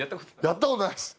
やったことないです。